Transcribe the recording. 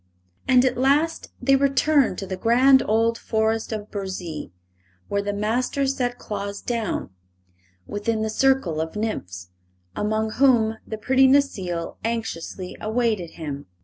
And at last they returned to the grand old Forest of Burzee, where the Master set Claus down within the circle of nymphs, among whom the pretty Necile anxiously awaited him.